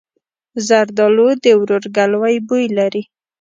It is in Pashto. زردالو د ورورګلوۍ بوی لري.